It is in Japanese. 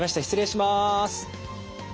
失礼します。